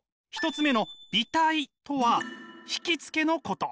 １つ目の媚態とは惹きつけのこと。